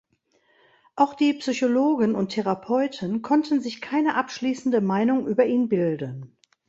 Auch die Psychologen und Therapeuten konnten sich keine abschließende Meinung über ihn bilden.